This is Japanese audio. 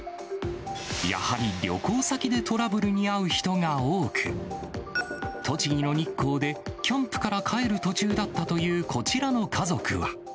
やはり旅行先でトラブルに遭う人が多く、栃木の日光で、キャンプから帰る途中だったというこちらの家族は。